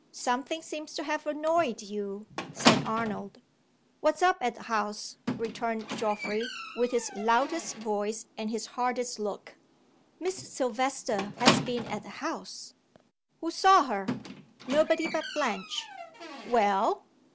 "Something seems to have annoyed you?" said Arnold. "What's up at the house?" returned Geoffrey, with his loudest voice and his hardest look. "Miss Silvester has been at the house." "Who saw her?" "Nobody but Blanche." "Well?"